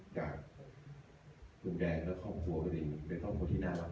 จากคุณแดงและความหัวกันอื่นเป็นความที่น่ารักมาก